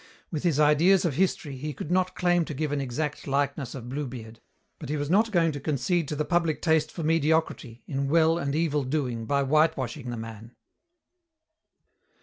With his ideas of history he could not claim to give an exact likeness of Bluebeard, but he was not going to concede to the public taste for mediocrity in well and evil doing by whitewashing the man.